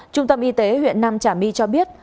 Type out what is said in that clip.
trung tâm y tế huyện nam trà my cho biết